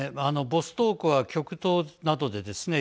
ボストークは極東などでですね